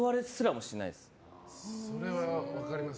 それは、分かります。